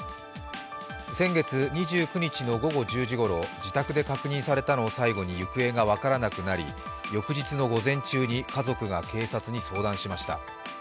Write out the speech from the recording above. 先月２９日の午後１０時ごろ、自宅で確認されたのを最後に行方が分からなくなり、翌日の午前中に家族が警察に相談しました。